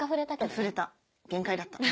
触れた限界だった。